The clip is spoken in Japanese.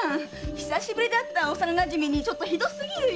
久しぶりで会った幼なじみにひどすぎるよ。